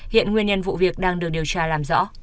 hiện nguyên nhân vụ việc đang được điều tra